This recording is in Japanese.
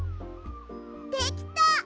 できた！